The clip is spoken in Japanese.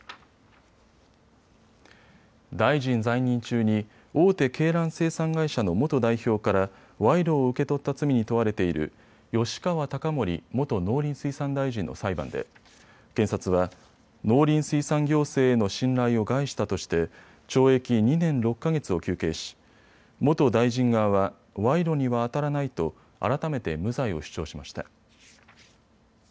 大臣在任中に大手鶏卵生産会社の元代表から賄賂を受け取った罪に問われている吉川貴盛元農林水産大臣の裁判で検察は、農林水産行政への信頼を害したとして懲役２年６か月を求刑し、元大臣側は賄賂にはあたらないと改めて無罪を主張しました。